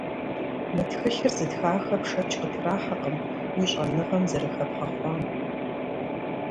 Мы тхылъыр зытхахэм шэч къытрахьэкъым уи щӀэныгъэм зэрыхэбгъэхъуам.